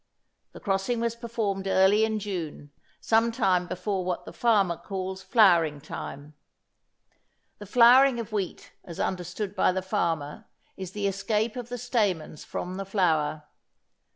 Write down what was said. The crossing was performed early in June, sometime before what the farmer calls flowering time. The flowering of wheat as understood by the farmer is the escape of the stamens from the flower.